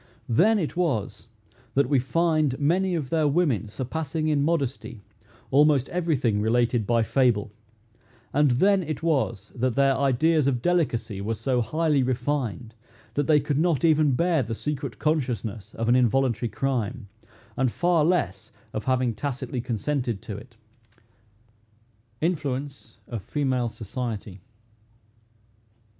Then it was that we find many of their women surpassing in modesty almost every thing related by fable; and then it was that their ideas of delicacy were so highly refined, that they could not even bear the secret consciousness of an involuntary crime, and far less of having tacitly consented to it. INFLUENCE OF FEMALE SOCIETY.